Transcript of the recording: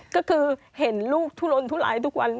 ก็คือเห็นลูกทุลนทุรายทุกวัน